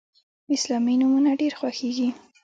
اسلامي نومونه ډیر خوښیږي.